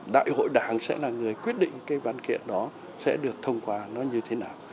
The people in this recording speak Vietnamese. đại hội đảng sẽ là người quyết định cái văn kiện đó sẽ được thông qua nó như thế nào